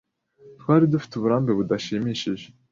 Twari dufite uburambe budashimishije.